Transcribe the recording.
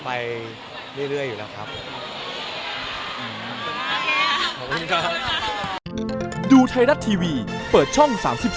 แต่ผมมีชีวิตของผมอยู่แล้วครับที่ผมไปเรื่อยอยู่แล้วครับ